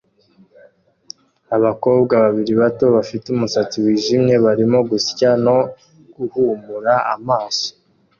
Abakobwa babiri bato bafite umusatsi wijimye barimo gusya no guhumura amaso